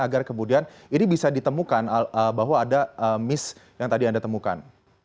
agar kemudian ini bisa ditemukan bahwa ada miss yang tadi anda temukan